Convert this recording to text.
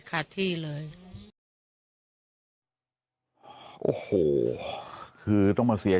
ขาดที่เลย